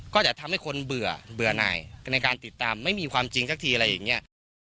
ก็จะทำให้คนเบื่อหน่ายในการติดตามไม่มีความจริงสักทีอะไรอย่างนี้